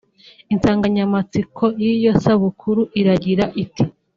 Insanganyamatsiko y’iyo sabukuru iragira iti